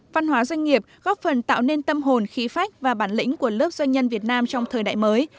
văn hóa doanh nghiệp góp phần tạo nên tâm hồn khí phách và bản lĩnh của lớp doanh nhân việt nam trong thời đại mới